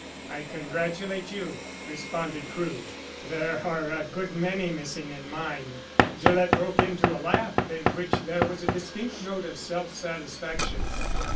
"I congratulate you," responded Crewe. "There are a good many missing in mine." Gillett broke into a laugh in which there was a distinct note of self satisfaction.